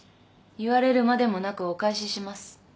言われるまでもなくお返しします。